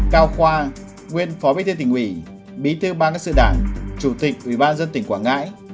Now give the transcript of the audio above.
cao khoa nguyên phó bí thư tỉnh ủy bí thư ban sự đảng chủ tịch ủy ban dân tỉnh quảng ngãi